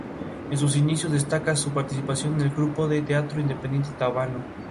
En sus inicios, destaca su participación en el grupo de teatro independiente Tábano.